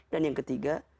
dan yang ketiga